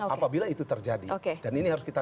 apabila itu terjadi dan ini harus kita